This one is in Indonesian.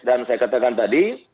dan saya katakan tadi